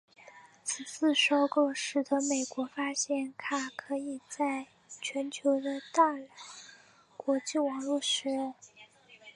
此次收购使得美国发现卡可以在全球的大来国际网络使用。